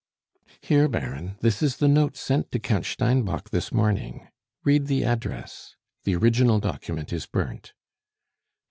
"Here, Baron, this is the note sent to Count Steinbock this morning; read the address. The original document is burnt."